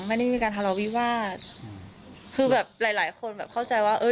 ไม่ได้มีการทะเลาวิวาสคือแบบหลายหลายคนแบบเข้าใจว่าเอ้